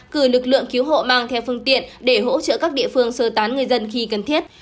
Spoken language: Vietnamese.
cử lực lượng cứu hộ mang theo phương tiện để hỗ trợ các địa phương sơ tán người dân khi cần thiết